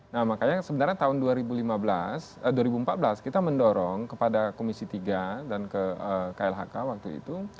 nah makanya sebenarnya tahun dua ribu empat belas kita mendorong kepada komisi tiga dan ke klhk waktu itu